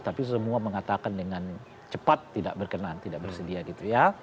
tapi semua mengatakan dengan cepat tidak berkenan tidak bersedia gitu ya